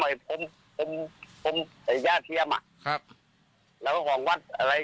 เมาชินแล้วเนี้ยมันก็ไม่หลุดเลย